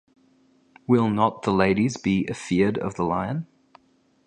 Will not the ladies be afeard of the lion?